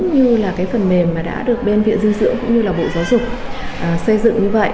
như là cái phần mềm mà đã được bên viện dinh dưỡng cũng như là bộ giáo dục xây dựng như vậy